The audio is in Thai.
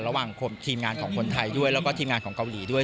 ระหว่างทีมงานของคนไทยด้วยแล้วก็ทีมงานของเกาหลีด้วย